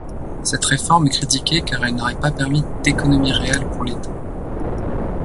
Cette réforme est critiquée car elle n'aurait pas permis d'économies réelles pour l'État.